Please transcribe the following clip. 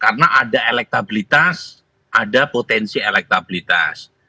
karena ada elektabilitas ada potensi elektabilitas